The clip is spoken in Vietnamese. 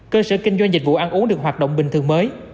cơ sở kinh doanh dịch vụ ăn uống được hoạt động bình thường mới